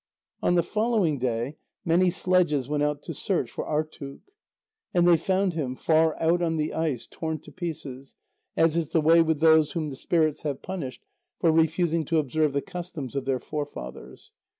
On the following day, many sledges went out to search for Artuk. And they found him, far out on the ice, torn to pieces, as is the way with those whom the spirits have punished for refusing to observe the customs of their forefathers.